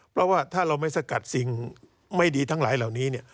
เพราะว่าถ้าเราไม่สกัดสิ่งไม่ดีทั้งหลายเหล่านี้